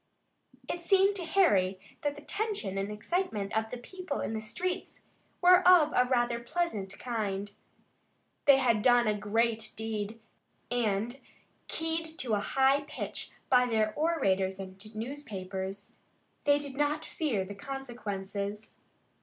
It seemed to Harry that the tension and excitement of the people in the streets were of a rather pleasant kind. They had done a great deed, and, keyed to a high pitch by their orators and newspapers, they did not fear the consequences.